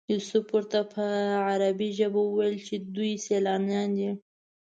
یوسف ورته په عبري ژبه وویل چې دوی سیلانیان دي.